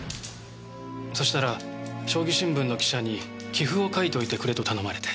そしたら将棋新聞の記者に棋譜を書いといてくれと頼まれて。